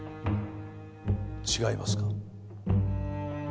違いますか？